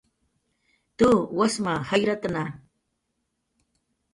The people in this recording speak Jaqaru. Tu, wasma jayratna